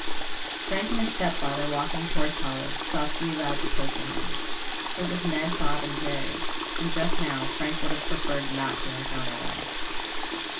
Frank and his stepfather, walking toward college, saw three lads approaching them. It was Ned, Bob and Jerry, and just now Frank would have preferred not to encounter them.